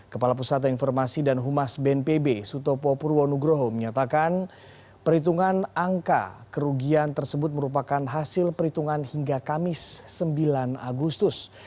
kepala pusat informasi dan humas bnpb sutopo purwonugroho menyatakan perhitungan angka kerugian tersebut merupakan hasil perhitungan hingga kamis sembilan agustus